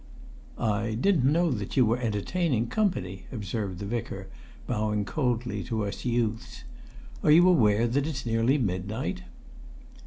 "I didn't know that you were entertaining company," observed the Vicar, bowing coldly to us youths. "Are you aware that it's nearly midnight?"